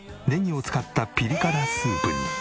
ねぎを使ったピリ辛スープに。